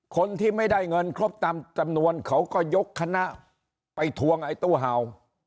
คนที่ไม่ได้เงินครบตามจำนวนเขาก็ยกคณะไปทวงไอ้ตู้เห่า